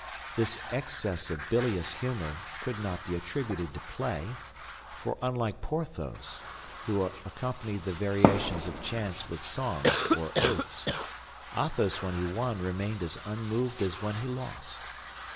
This excess of bilious humor could not be attributed to play; for unlike Porthos, who accompanied the variations of chance with songs or oaths, Athos when he won remained as unmoved as when he lost.